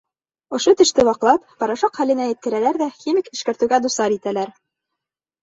Ошо теште ваҡлап, порошок хәленә еткерәләр ҙә химик эшкәртеүгә дусар итәләр.